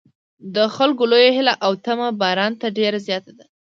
د خلکو لویه هیله او تمه باران ته ډېره زیاته وه.